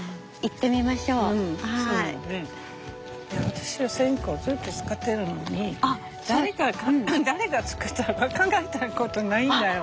私は線香ずっと使ってるのに誰が作ったか考えたことないんだよ。